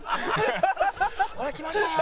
ほら来ましたよ！